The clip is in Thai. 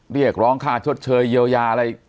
เรียกร้องค่าชดเชยเยียวยาอะไร